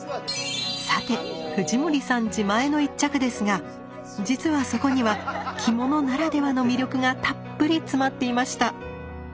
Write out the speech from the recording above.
さて藤森さん自前の一着ですが実はそこには着物ならではの魅力がたっぷり詰まっていました。